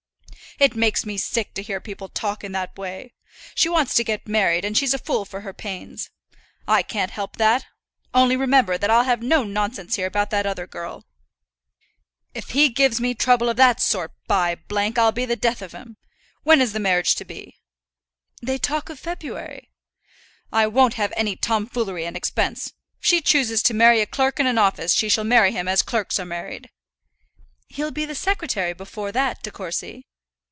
"It makes me sick to hear people talk in that way. She wants to get married, and she's a fool for her pains; I can't help that; only remember that I'll have no nonsense here about that other girl. If he gives me trouble of that sort, by , I'll be the death of him. When is the marriage to be?" [ILLUSTRATION: "Devotedly attached to the young man!"] "They talk of February." "I won't have any tomfoolery and expense. If she chooses to marry a clerk in an office, she shall marry him as clerks are married." "He'll be the secretary before that, De Courcy."